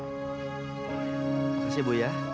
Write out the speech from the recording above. terima kasih bu ya